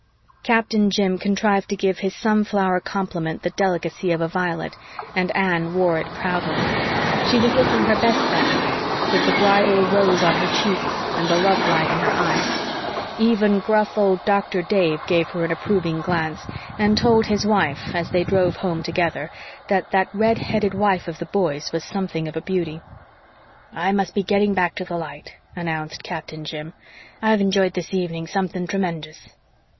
Captain Jim contrived to give his sunflower compliment the delicacy of a violet, and Anne wore it proudly. She was looking her best that night, with the bridal rose on her cheeks and the love light in her eyes; even gruff old Doctor Dave gave her an approving glance, and told his wife, as they drove home together, that that red headed wife of the boy's was something of a beauty. "I must be getting back to the light," announced Captain Jim. "I've enj'yed this evening something tremenjus."